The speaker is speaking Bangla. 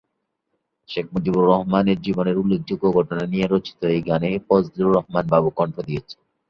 শেখ মুজিবুর রহমানের জীবনের উল্লেখযোগ্য ঘটনা নিয়ে রচিত এই গানে ফজলুর রহমান বাবু কন্ঠ দিয়েছেন।